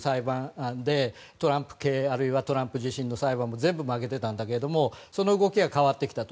トランプ系トランプ自身の裁判は全部負けていたんだけれどこの動きが変わってきたと。